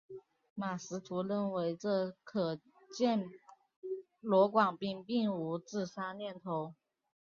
马识途认为这可见罗广斌并无自杀念头。